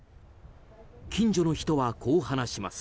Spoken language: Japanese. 近所の人はこう話します。